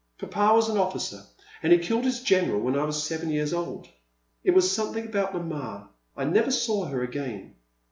'''* Papa was an officer, and he killed his general when I was seven years old. It was something about Mama ; I never saw her again.